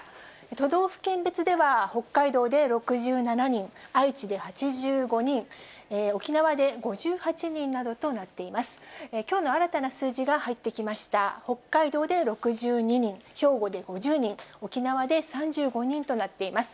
都道府県別では、北海道で６７人、愛知で８５人、沖縄で５８人などとなっています。